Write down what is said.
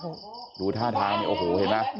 โอ้โหดูท่าทางนี่โอ้โหเห็นไหม